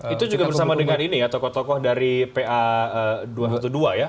itu juga bersama dengan ini ya tokoh tokoh dari pa dua ratus dua belas ya